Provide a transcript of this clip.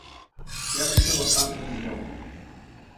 Fer-se la part del lleó.